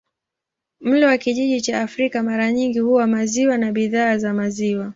Mlo wa kijiji cha Afrika mara nyingi huwa maziwa na bidhaa za maziwa.